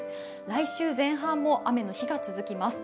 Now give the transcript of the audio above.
来週前半も雨の日が続きます。